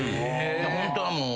ホントはもう。